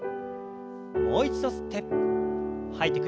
もう一度吸って吐いて。